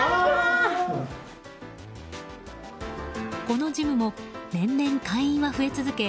このジムも年々、会員は増え続け